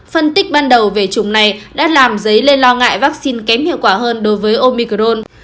phân tích ban đầu về chủng này đã làm dấy lên lo ngại vaccine kém hiệu quả hơn đối với omicron